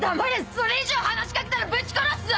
それ以上話し掛けたらブチ殺すぞ！